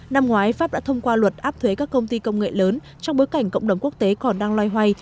năm ngoái pháp đã thông qua luật áp thuế các công ty công nghệ lớn trong bối cảnh cộng đồng quốc tế còn đang loay hoay